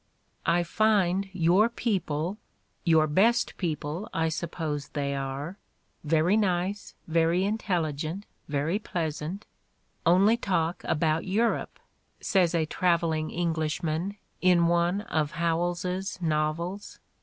"I find your people — ^your best peo ple, I suppose they are — very nice, very intelligent, very pleasant^ — only talk about Europe," says a traveling Englishman in one of Howells's novels.